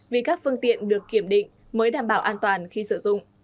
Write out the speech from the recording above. vì các phương tiện được kiểm định mới đảm bảo an toàn khi sử dụng